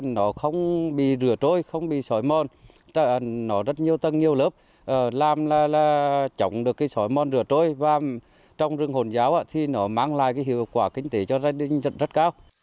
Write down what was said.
nó rất nhiều tân nhiều lớp làm là trồng được cái sỏi mòn rửa trôi và trong rừng hồn giáo thì nó mang lại cái hiệu quả kinh tế cho gia đình rất cao